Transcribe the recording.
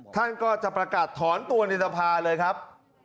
ท่านก็จะประกาศถอนตัวในสภาเลยครับ